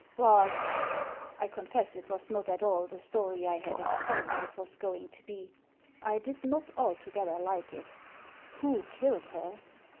"But" — I confess it was not at all the story I had expected it was going to be; I did not altogether like it— "who killed her?"